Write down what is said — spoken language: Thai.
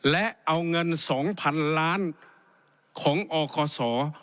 และเอาเงิน๒๐๐๐ล้านของอคศ